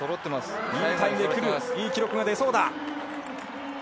いい記録がでそうだ。